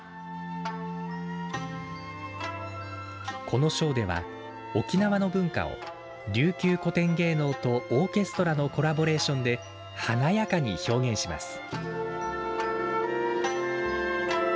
この章では沖縄の文化を琉球古典芸能とオーケストラのコラボレーションで華やかに表現します